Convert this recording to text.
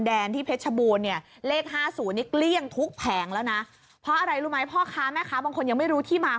เดี๋ยวพรุ่งนี้ก็รู้คะ